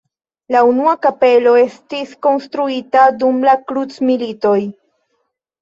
La unua kapelo estis konstruita dum la krucmilitoj.